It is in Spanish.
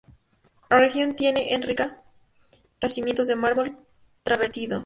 La región tiene es rica en yacimientos de mármol travertino.